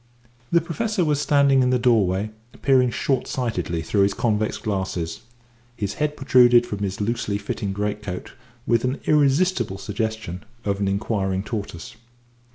The Professor was standing in the doorway peering short sightedly through his convex glasses, his head protruded from his loosely fitting great coat with an irresistible suggestion of an inquiring tortoise.